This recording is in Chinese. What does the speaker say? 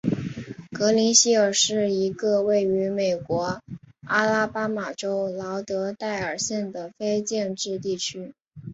格林希尔是一个位于美国阿拉巴马州劳德代尔县的非建制地区。